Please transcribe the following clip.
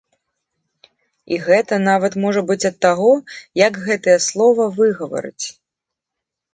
І гэта нават можа быць ад таго, як гэтае слова выгаварыць.